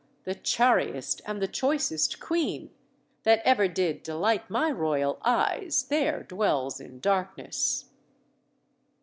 the chariest and the choicest queen That ever did delight my royal eyes There dwells in darkness."